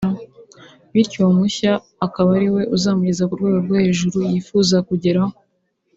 bityo uwo mushya akaba ariwe uzamugeza ku rwego rwo hejuru yifuza kugeraho